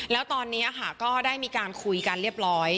แล้วตอนนี้ก็ได้มีการคุยกันเรียบร้อย